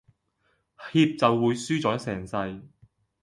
怯就會輸咗成世